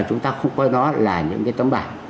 chúng ta không coi nó là những cái tấm bản